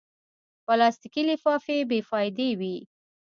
پلاستيکي لفافې بېفایدې وي.